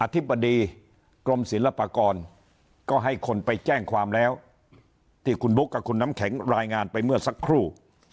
ธิบดีกรมศิลปากรก็ให้คนไปแจ้งความแล้วที่คุณบุ๊คกับคุณน้ำแข็งรายงานไปเมื่อสักครู่